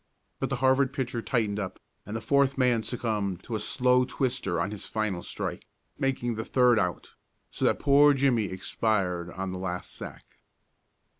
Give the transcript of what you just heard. But the Harvard pitcher tightened up, and the fourth man succumbed to a slow twister on his final strike, making the third out, so that poor Jimmie expired on the last sack.